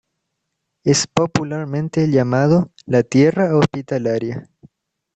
Es popularmente llamado "La tierra hospitalaria".